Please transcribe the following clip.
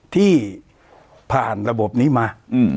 ที่ผ่านระบบนี้มา